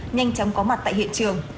nhanh chóng có mặt tại hiện trường